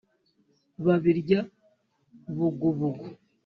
Babirya bugubugu